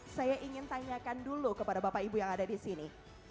saya ingin tanyakan dulu kepada bapak ibu yang ada di sini